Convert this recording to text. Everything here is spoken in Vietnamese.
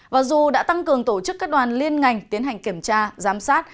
và dù đã tăng cường tổ chức các đoàn liên ngành tiến hành kiểm tra giám sát